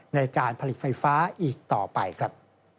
ในการผลิตไฟฟ้าอีกต่อไปครับ